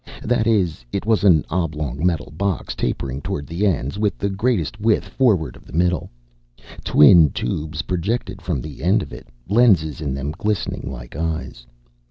That is, it was an oblong metal box, tapering toward the ends, with the greatest width forward of the middle. Twin tubes projected from the end of it, lenses in them glistening like eyes.